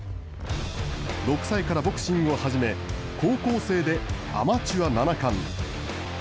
６歳からボクシングを始め、高校生でアマチュア７冠。